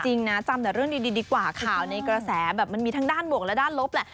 จริงนะจำแต่เรื่องดีดีกว่าข่าวในกระแสแบบมันมีทั้งด้านบวกและด้านลบแหละ